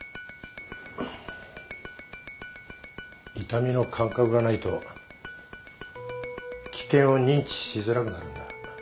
痛みの感覚がないと危険を認知しづらくなるんだ。